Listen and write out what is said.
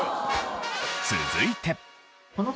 続いて。